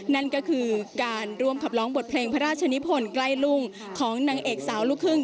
นั่นก็คือการร่วมขับร้องบทเพลงพระราชนิพลใกล้รุ่งของนางเอกสาวลูกครึ่ง